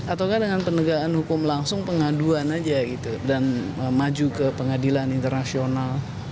ataukah dengan penegakan hukum langsung pengaduan aja gitu dan maju ke pengadilan internasional